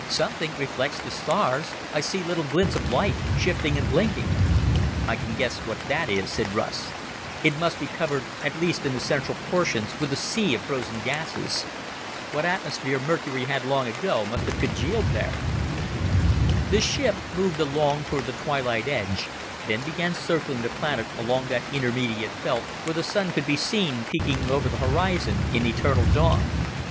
Something reflects the stars; I see little glints of light, shifting and blinking." "I can guess what that is," said Russ. "It must be covered, at least in the central portions, with a sea of frozen gases. What atmosphere Mercury had long ago must have congealed there." The ship moved along toward the twilight edge, then began circling the planet along that intermediate belt, where the Sun could be seen peeking over the horizon in eternal dawn.